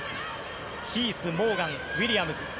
ヒース、モーガンウィリアムズ。